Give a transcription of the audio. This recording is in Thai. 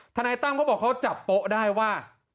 ทนายตั้มเขาบอกเขาจับโป๊ะได้ว่า